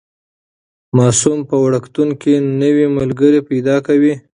ماسوم په وړکتون کې نوي ملګري پیدا کوي.